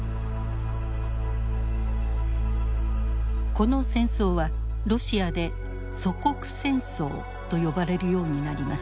この戦争はロシアで「祖国戦争」と呼ばれるようになります。